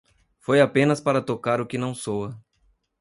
Foi apenas para tocar o que não soa.